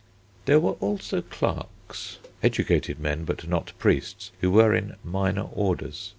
There were also "clerks," educated men, but not priests, who were in "minor orders."